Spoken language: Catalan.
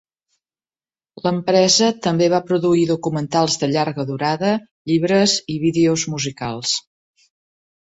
L'empresa també va produir documentals de llarga durada, llibres i vídeos musicals.